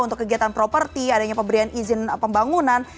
untuk kegiatan properti adanya pemberian izin pembangunan